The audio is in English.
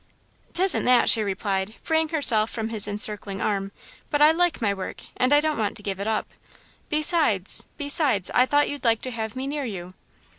"'T isn't that," she replied, freeing herself from his encircling arm, "but I like my work and I don't want to give it up. Besides besides I thought you'd like to have me near you."